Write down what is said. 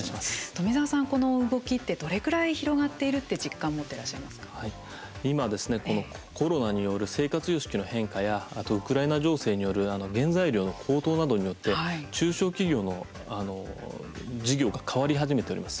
富澤さん、この動きってどれくらい広がっているって今、このコロナによる生活様式の変化やあと、ウクライナ情勢による原材料の高騰などによって中小企業の事業が変わり始めております。